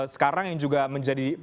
sekarang yang juga menjadi